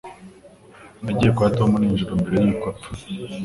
Nagiye kwa Tom nijoro mbere yuko apfa.